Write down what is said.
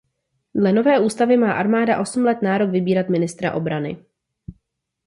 Dle nové ústavy má armáda osm let nárok vybírat ministra obrany.